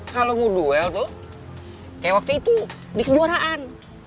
kalau ngeduel tuh kayak waktu itu di kejuaraan